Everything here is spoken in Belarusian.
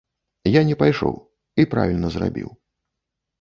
Я не пайшоў, і правільна зрабіў.